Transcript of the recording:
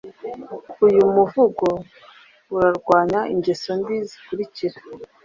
Uyu muvugo urarwanya ingeso mbi zikurikira: